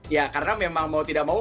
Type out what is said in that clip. ya karena memang mau tidak mau